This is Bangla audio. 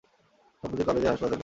সম্প্রতি কালেজের হাসপাতালে।